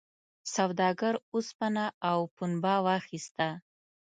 سوداګر اوسپنه او پنبه واخیسته.